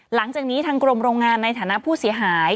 หลังจากนี้ทางกรมโรงงานในฐานะผู้เสียหาย